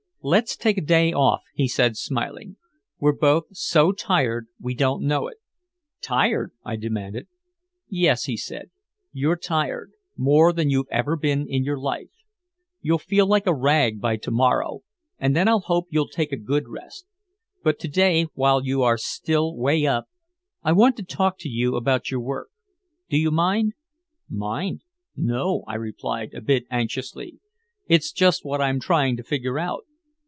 "Let's take a day off," he said, smiling. "We're both so tired we don't know it." "Tired?" I demanded. "Yes," he said, "you're tired more than you've ever been in your life. You'll feel like a rag by to morrow, and then I hope you'll take a good rest. But to day, while you are still way up, I want to talk about your work. Do you mind?" "Mind? No," I replied, a bit anxiously. "It's just what I'm trying to figure out."